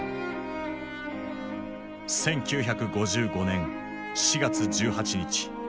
１９５５年４月１８日。